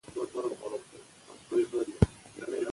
اورنګزېب په خپل وروستي عمر کې ډېر کمزوری و.